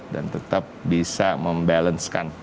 dan tetap bisa membalanskan